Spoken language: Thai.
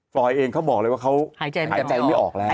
รอยเองเขาบอกเลยว่าเขาหายใจไม่ออกแล้ว